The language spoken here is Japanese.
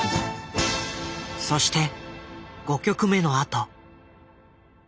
そして５曲目のあと。